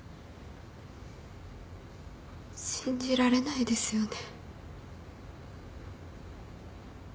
信じられないですよね。